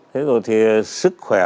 thế rồi thì sức khỏe